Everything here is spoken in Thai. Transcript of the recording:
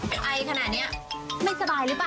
ไอขนาดนี้ไม่สบายหรือเปล่า